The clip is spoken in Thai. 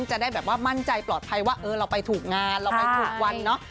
จะได้แบบว่ามั่นใจปลอดภัยว่าเออเราไปถูกงานเราไปถูกวันเนอะ